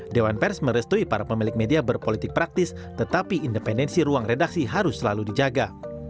dewan pers merestui para pemilik media berpolitik praktis tetapi independensi ruang redaksi harus selalu dijaga